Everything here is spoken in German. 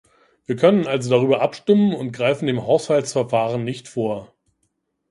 Wir können also darüber abstimmen und greifen dem Haushaltsverfahren nicht vor.